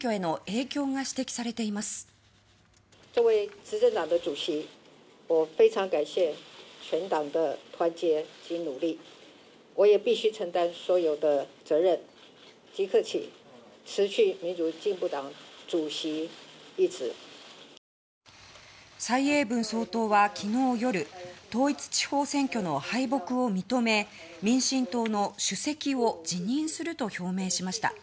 蔡英文総統は昨日夜統一地方選挙の敗北を認め民進党の主席を辞任すると表明しました。